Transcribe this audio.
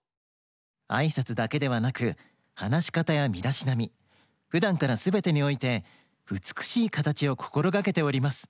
あいさつだけではなくはなしかたやみだしなみふだんからすべてにおいてうつくしいかたちをこころがけております。